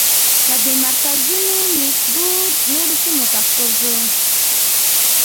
له دې مرکزونو لیکدود نورو سیمو ته خپور شو.